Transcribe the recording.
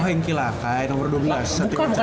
oh engki lakai nomor dua belas